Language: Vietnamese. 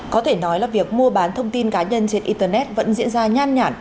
có thể nói là việc mua bán thông tin cá nhân trên internet vẫn diễn ra nhan nhản